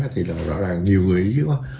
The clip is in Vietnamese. thì rõ ràng nhiều người ý với nó